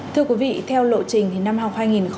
thưa quý vị theo lộ trình